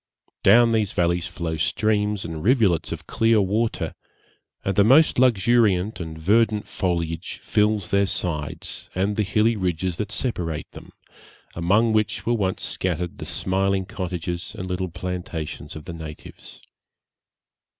Down these valleys flow streams and rivulets of clear water, and the most luxuriant and verdant foliage fills their sides and the hilly ridges that separate them, among which were once scattered the smiling cottages and little plantations of the natives.